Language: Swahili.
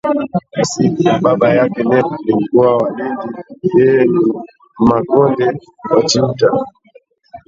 Asili ya baba yake Nape ni mkoa wa Lindi yeye ni Mmakonde wa Chiuta